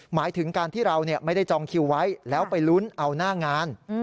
หมายถึงการที่เราไม่ได้จองคิวไว้แล้วไปลุ้นเอาหน้างาน